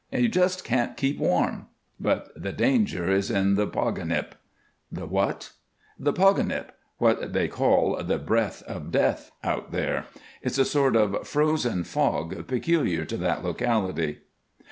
You just can't keep warm. But the danger is in the Poganip." "The what?" "The Poganip; what they call 'the Breath of Death' out there. It's a sort of frozen fog peculiar to that locality."